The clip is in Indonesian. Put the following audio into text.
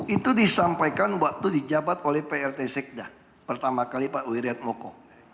itu disampaikan waktu di jabat oleh prt sekda pertama kali pak wiryad moko